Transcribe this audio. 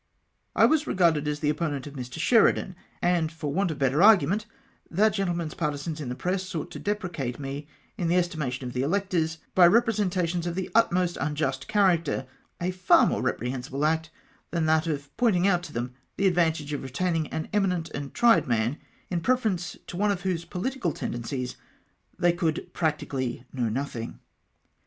I was regarded as the opponent of Mr. Sheridan, and for want of better argument that gentleman's partisans in the press sought to depreciate me in the estimation of the electors by representations of the most unjust character, a far more reprehensible act than that of pointing out to them tlie advantage of retaining an eminent and tried man in preference to one of whose pohtical tendencies they coidd practically know nothing.